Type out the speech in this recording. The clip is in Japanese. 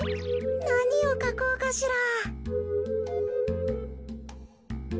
なにをかこうかしら。